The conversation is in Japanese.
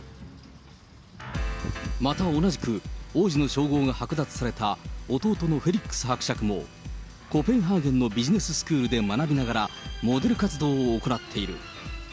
また同じく、王子の称号が剥奪された弟のフェリックス伯爵も、コペンハーゲンのビジネススクールで学びながらモデル活動を行っている。